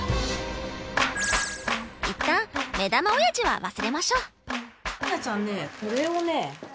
一旦目玉おやじは忘れましょう。